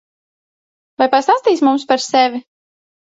Vai pastāstīsi mums par sevi?